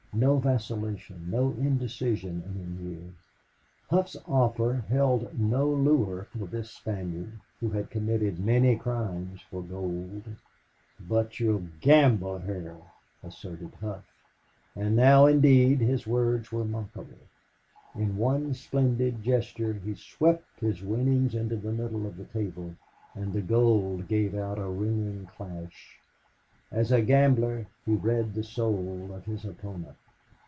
No vacillation no indecision in him here. Hough's offer held no lure for this Spaniard who had committed many crimes for gold. "BUT YOU'LL GAMBLE HER!" asserted Hough, and now indeed his words were mockery. In one splendid gesture he swept his winnings into the middle of the table, and the gold gave out a ringing clash. As a gambler he read the soul of his opponent.